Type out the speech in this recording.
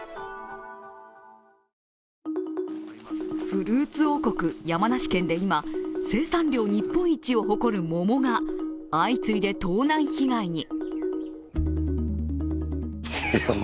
フルーツ王国、山梨県で今、生産量日本一を誇る桃が相次いで盗難被害に。